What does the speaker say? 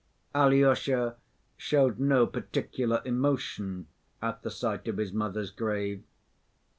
Alyosha showed no particular emotion at the sight of his mother's grave.